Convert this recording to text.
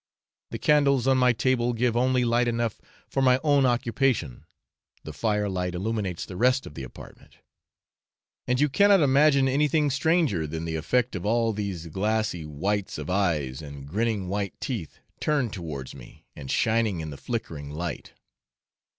The candles on my table give only light enough for my own occupation, the fire light illuminates the rest of the apartment; and you cannot imagine anything stranger than the effect of all these glassy whites of eyes and grinning white teeth turned towards me, and shining in the flickering light.